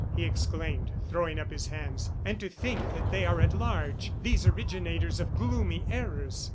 he exclaimed, throwing up his hands. "And to think that they are at large, these originators of gloomy errors!